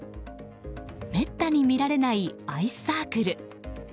めったに見られないアイスサークル。